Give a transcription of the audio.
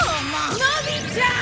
のびちゃん！